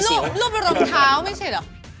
นี่มันรูปรมเท้าไม่ใช่เหรอ